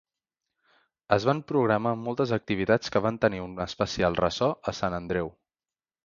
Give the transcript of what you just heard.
Es van programar moltes activitats que van tenir un especial ressò a Sant Andreu.